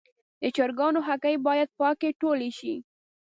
د چرګانو هګۍ باید پاکې ټولې شي.